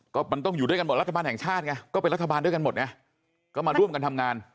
ก็มันต้องอยู่ด้วยกันหมดรัฐบาลแห่งชาติไงก็เป็นรัฐบาลด้วยกันหมดไงก็มาร่วมกันทำงาน